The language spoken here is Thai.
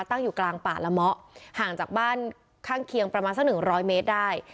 ตั้งอยู่กลางป่าละเมาะห่างจากบ้านข้างเคียงประมาณสักหนึ่งร้อยเมตรได้